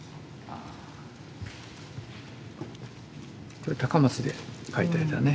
これ高松で描いた絵だね。